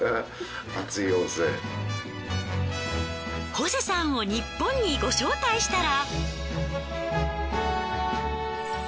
ホセさんをニッポンにご招待したら。